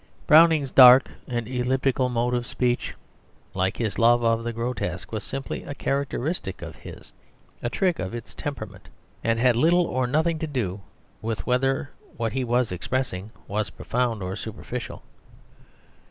Browning's dark and elliptical mode of speech, like his love of the grotesque, was simply a characteristic of his, a trick of is temperament, and had little or nothing to do with whether what he was expressing was profound or superficial.